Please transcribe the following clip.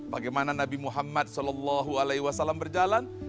bagaimana nabi muhammad saw berjalan